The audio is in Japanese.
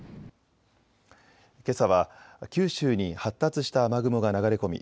けさは九州に発達した雨雲が流れ込み